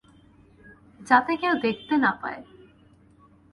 যাতে কেউ দেখতে না পায়।